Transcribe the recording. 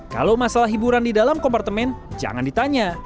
kalau masalah hiburan di dalam kompartemen jangan ditanya